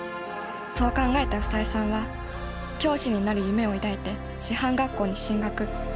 そう考えた房枝さんは教師になる夢を抱いて師範学校に進学。